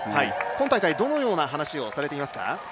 今大会、どのような話をされていますか？